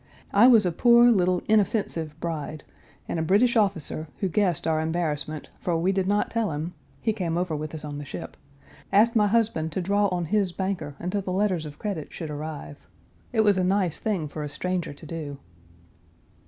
I was a poor little, inoffensive bride, and a British officer, who guessed our embarrassment, for we did not tell him (he came over with us on the ship), asked my husband to draw on his banker until the letters of credit should arrive. It was a nice thing for a stranger to do.